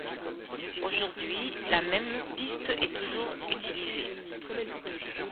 Aujourd'hui, la même piste est toujours utilisée.